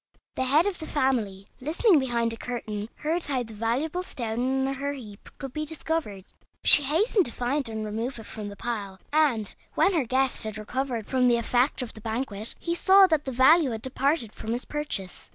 The head of the family, listening behind a curtain, heard how the valuable stone in her heap could be discovered. She hastened to find and remove it from the pile; and, when her guest had recovered from the effect of the banquet, he saw that the value had departed from his purchase.